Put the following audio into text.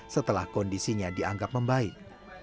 setelah kondisinya dianggap membaik